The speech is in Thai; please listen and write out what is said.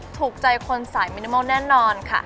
ถูกใจคนสายมินิมอลแน่นอนค่ะ